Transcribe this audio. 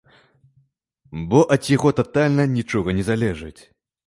Бо ад яго татальна нічога не залежыць.